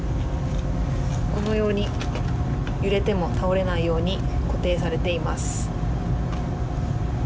このように揺れても倒れないように固定されています。